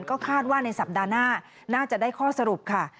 ก็คาดว่าในสัปดาห์หน้าน่าจะได้ข้อสรุปค่ะ